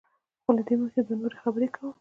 خو له دې مخکې دوه نورې خبرې کوم.